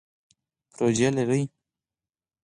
پروژی لرئ؟